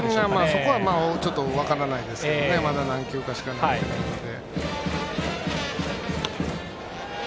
そこは分からないですけどまだ何球かしか投げてないので。